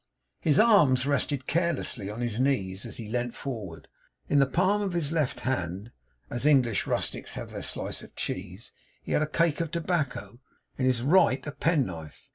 His arms rested carelessly on his knees as he leant forward; in the palm of his left hand, as English rustics have their slice of cheese, he had a cake of tobacco; in his right a penknife.